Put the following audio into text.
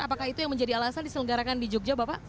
apakah itu yang menjadi alasan diselenggarakan di jogja bapak